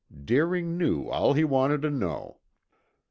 Deering knew all he wanted to know.